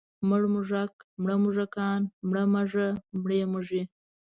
مړ موږک، مړه موږکان، مړه مږه، مړې مږې.